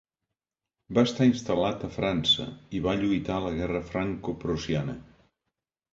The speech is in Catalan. Va estar instal·lat a França, i va lluitar a la Guerra Francoprussiana.